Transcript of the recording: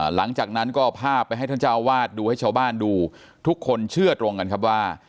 หลังจากนั้นก็เอาภาพไปให้ท่านเจ้าวาดดูให้ชาวบ้านดูทุกคนเชื่อตรงกันครับว่า